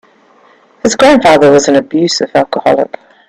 His grandfather was an abusive alcoholic.